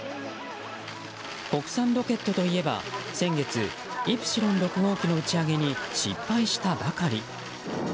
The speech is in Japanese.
国産ロケットといえば先月、イプシロン６号機の打ち上げに失敗したばかり。